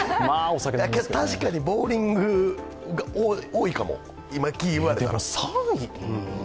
確かにボウリング場が多いかも。